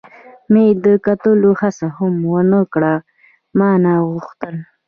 مې د کتلو هڅه هم و نه کړل، ما نه غوښتل.